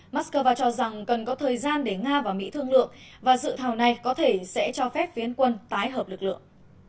moscow cho rằng cần có thời gian để nga và mỹ thương lượng và dự thảo này có thể sẽ cho phép phiến quân tái hợp lực lượng